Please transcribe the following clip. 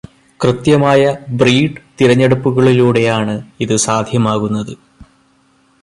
കൃത്യമായ ബ്രീഡ് തിരഞ്ഞെടുപ്പുകളിലൂടെയാണ് ഇത് സാധ്യമാകുന്നത്.